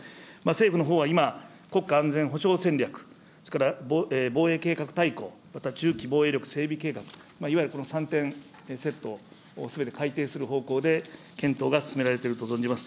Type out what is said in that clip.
政府のほうは今、国家安全保障戦略、それから防衛計画大綱、また中期防衛力整備計画、いわゆる３点セットをすべて改訂する方向で検討が進められていると存じます。